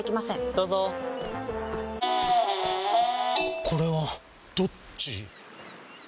どうぞこれはどっち？